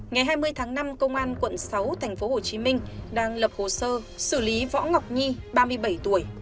ngày hai mươi tháng năm công an quận sáu tp hcm đang lập hồ sơ xử lý võ ngọc nhi ba mươi bảy tuổi